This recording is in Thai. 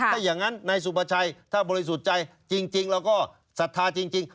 ถ้าอย่างนั้นนายสุประชัยถ้าบริสุจัยจริงแล้วก็ศรัทธาจริง